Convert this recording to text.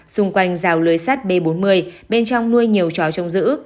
xung quanh rào lưới sắt b bốn mươi bên trong nuôi nhiều chó trong giữ